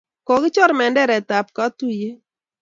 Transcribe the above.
Kokichor menderet ab katuyet